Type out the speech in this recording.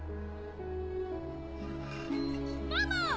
ママ！